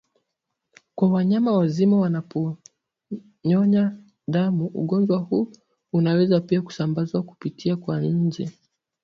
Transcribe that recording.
kwa wanyama wazima wanapowanyonya damu Ugonjwa huu unaweza pia kusambazwa kupitia kwa nzi